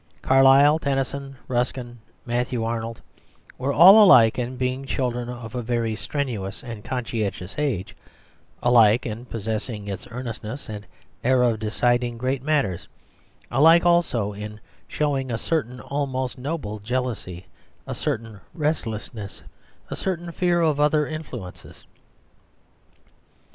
Carlyle, Tennyson, Ruskin, Matthew Arnold, were alike in being children of a very strenuous and conscientious age, alike in possessing its earnestness and air of deciding great matters, alike also in showing a certain almost noble jealousy, a certain restlessness, a certain fear of other influences.